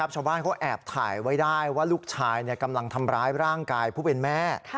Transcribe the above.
ชาวบ้านเขาแอบถ่ายไว้ได้ว่าลูกชายกำลังทำร้ายร่างกายผู้เป็นแม่